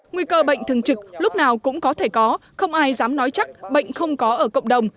nguy cơ bệnh thường trực lúc nào cũng có thể có không ai dám nói chắc bệnh không có ở cộng đồng